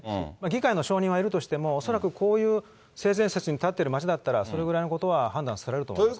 議会の承認は得るとしても恐らくそういう性善説に立ってる町だった、それぐらいのことは判断されると思います。